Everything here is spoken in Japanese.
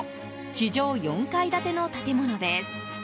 地上４階建ての建物です。